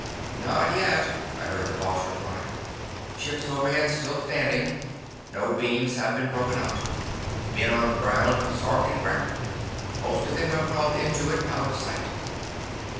"Not yet," I heard the Boss reply. "Ships overhead still standing. No beams have been broken out. Men on ground absorbed in wreck. Most of them have crawled into it out of sight."